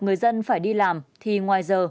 người dân phải đi làm thì ngoài giờ